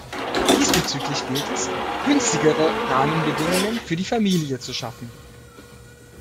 Diesbezüglich gilt es günstigere Rahmenbedingungen für die Familie zu schaffen.